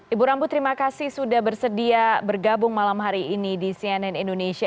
ibu rambu terima kasih sudah bersedia bergabung malam hari ini di cnn indonesia